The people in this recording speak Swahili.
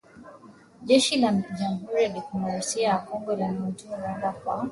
Jeshi la Jamuhuri ya Demokrasia ya Kongo linaishutumu Rwanda kwa kuunga